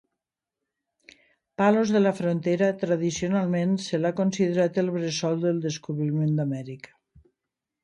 Palos de la Frontera tradicionalment se l'ha considerat el bressol del descobriment d'Amèrica.